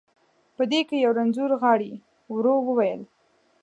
په دې کې یو رنځور غاړي، ورو وویل.